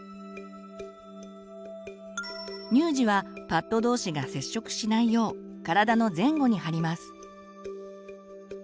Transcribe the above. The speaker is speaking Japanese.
乳児はパッドどうしが接触しないよう体の前後に貼ります。